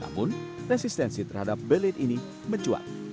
namun resistensi terhadap belit ini mencuat